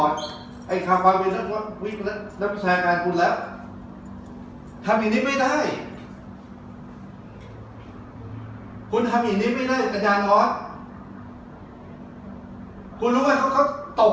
แล้วคุณเป็นนำแชการเหตุงานยังไงผมใส่ผมแล้วไปถอด